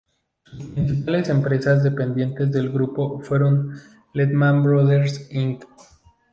Sus principales empresas dependientes del grupo fueron "Lehman Brothers Inc.